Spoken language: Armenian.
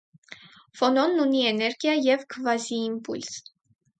Ֆոնոնն ունի էներգիա և քվազիիմպուլս։